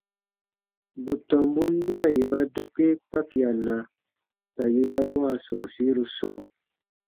Bù tɔmbun nia yè ba dokee kpakiana ka yè ya wãa sɔ̃ɔsiru sɔɔ.